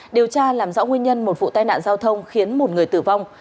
điều tra làm rõ nguyên nhân một vụ tai nạn giao thông khiến một người tử vong